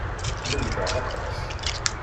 Lemmdeɣ aṭas.